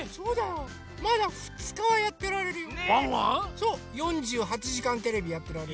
そう４８じかんテレビやってられる。